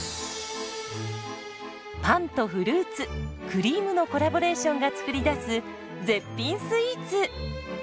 パンとフルーツクリームのコラボレーションが作り出す絶品スイーツ。